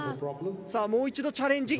さあもう一度チャレンジ。